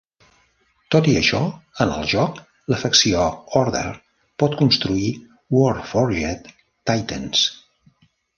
Tot i això, en el joc, la facció Order pot construir Warforged Titans.